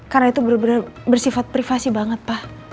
karena itu bener bener bersifat privasi banget pa